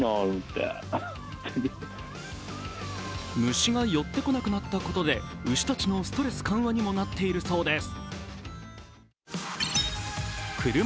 虫が寄ってこなくなったことで牛たちのストレス緩和にもなっているそうです。